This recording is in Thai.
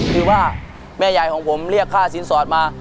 คือว่าแม่ยายของผมเรียกค่าสินสอดมา